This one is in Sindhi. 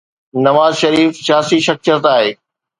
نواز شريف سياسي شخصيت آهي.